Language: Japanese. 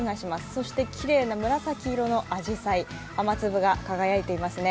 そしてきれいな紫色のあじさい、雨粒が輝いていますね。